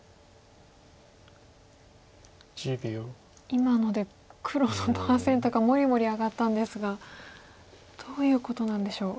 今ので黒のパーセントがもりもり上がったんですがどういうことなんでしょう。